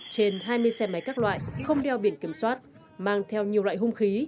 trên hai mươi xe máy các loại không đeo biển kiểm soát mang theo nhiều loại hung khí